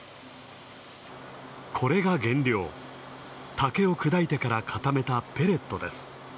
竹を砕いてから、固めたペレットです。